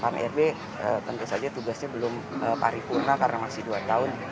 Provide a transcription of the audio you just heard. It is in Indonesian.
karena rbi tentu saja tugasnya belum paripurna karena masih dua tahun